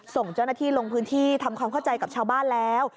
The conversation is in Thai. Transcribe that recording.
ส่งเจ้าหน้าที่ลงพื้นที่ทำความเข้าใจกับชาวบ้านแล้ว